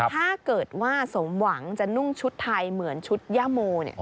ถ้าเกิดว่าสมหวังจะนุ่งชุดไทยเหมือนชุดย่าโม